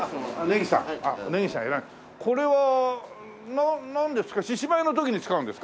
これはなんですか？